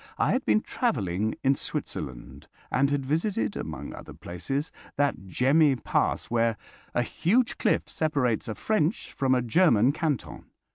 I had been travelling in Switzerland and had visited, among other places, that Gemmi Pass, where a huge cliff separates a French from a German canton.